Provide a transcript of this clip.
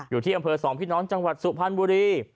อยู่ที่อำเภอสองพี่น้องจังหวัดสุพรรณบุรี